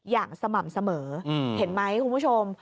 อย่างสม่ำเสมอเห็นไหมคุณผู้ชม